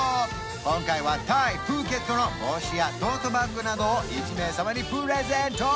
今回はタイプーケットの帽子やトートバッグなどを１名様にプレゼント！